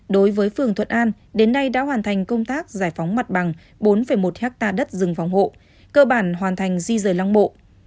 đối với phường thuận an đến nay đã hoàn thành công tác giải phóng mặt bằng bốn một ha đất rừng phòng hộ cơ bản hoàn thành di rời lăng bộ